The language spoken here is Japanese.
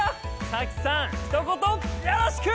サキさんひと言よろしく！